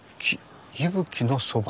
伊吹のそば。